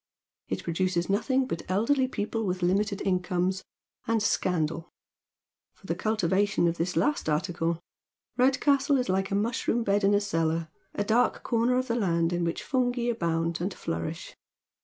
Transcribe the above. It produces nothing but elderly people with limited incomes, and scandal. For the cultivation of tliis last article Redcastle is like a mushroom bed in a cellar, a dark corner of the land in which fungi abound and flourish.